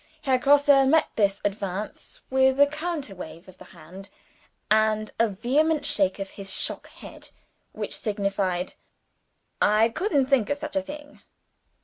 Herr Grosse met this advance with a counter wave of the hand, and a vehement shake of his shock head, which signified, "I couldn't think of such a thing!"